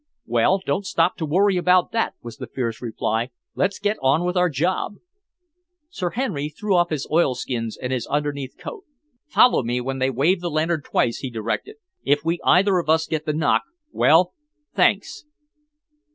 "Well, don't stop to worry about that," was the fierce reply. "Let's get on with our job." Sir Henry threw off his oilskins and his underneath coat. "Follow me when they wave the lantern twice," he directed. "If we either of us get the knock well, thanks!"